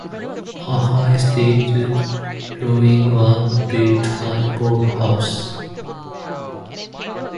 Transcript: A high status dwelling was built, "High Paull House".